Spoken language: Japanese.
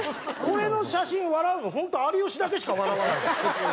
これの写真笑うのホント有吉だけしか笑わないです。